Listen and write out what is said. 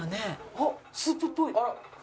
あっスープっぽい！